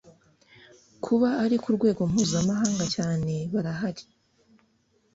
kuba ari ku rwego mpuzamahanga cyane barahari